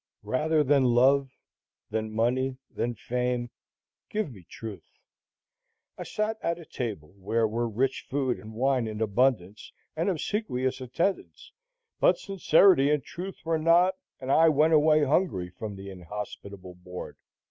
Rather than love, than money, than fame, give me truth. I sat at a table where were rich food and wine in abundance, and obsequious attendance, but sincerity and truth were not; and I went away hungry from the inhospitable board.